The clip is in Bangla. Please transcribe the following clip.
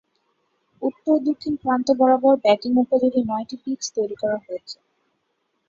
উত্তর/দক্ষিণ প্রান্ত বরাবর ব্যাটিং উপযোগী নয়টি পীচ তৈরী করা হয়েছে।